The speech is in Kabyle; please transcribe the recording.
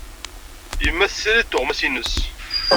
Yemma tessirid tuɣmas-innes.